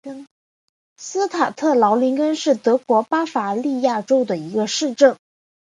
施塔特劳林根是德国巴伐利亚州的一个市镇。